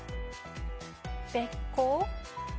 べっこう？